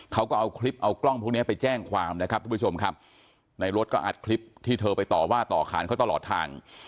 เขาก็เอาคลิปเอากล้องพวกเนี้ยไปแจ้งความนะครับทุกผู้ชมครับในรถก็อัดคลิปที่เธอไปต่อว่าต่อขานเขาตลอดทาง